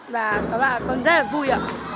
và con rất là vui